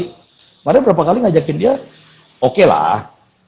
kemarin berapa kali ngajakin dia oke lah